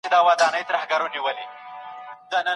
که ښوونکي زموږ پاڼه وړاندي نه کړي، ستونزه به وي.